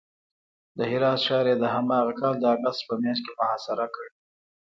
د هرات ښار یې د هماغه کال د اګست په میاشت کې محاصره کړ.